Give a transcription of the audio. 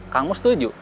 kang mus setuju